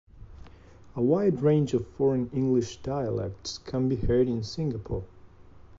A wide range of foreign English dialects can be heard in Singapore.